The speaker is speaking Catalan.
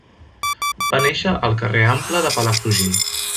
Va néixer al carrer Ample de Palafrugell.